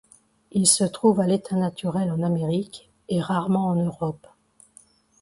Il se trouve à l'état naturel en Amérique et, rarement, en Europe.